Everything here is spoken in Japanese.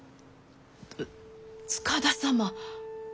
つ塚田様。